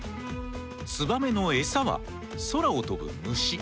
ツバメのエサは空を飛ぶ虫。